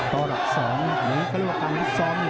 ต่อหลัก๒ในกระโลกรัมที่๒